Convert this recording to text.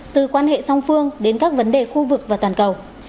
từ quan hệ song phương đến các vấn đề khu vực và toàn cầu